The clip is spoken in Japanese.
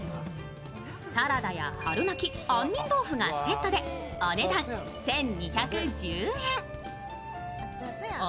サラダや春巻き、あんにん豆腐がセットで、お値段１２１０円。